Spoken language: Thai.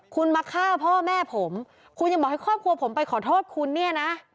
คุณมาฆ่าพ่อแม่ผมคุณยังบอกให้ครอบครัวผมไปขอโทษคุณเนี่ยนะ